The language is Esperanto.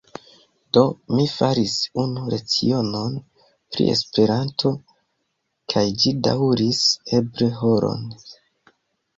Do, mi faris unu lecionon pri Esperanto, kaj ĝi daŭris eble horon.